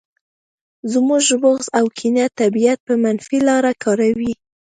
زموږ بغض او کینه طبیعت په منفي لاره کاروي